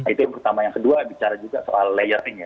itu yang pertama yang kedua bicara juga soal layering ya